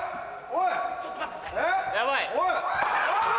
おい。